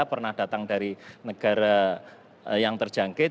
pernah datang dari negara yang terjangkit